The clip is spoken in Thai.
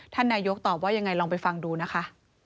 ท่านนายกรัฐมนตรีตอบว่าอย่างไรลองไปฟังดูนะคะ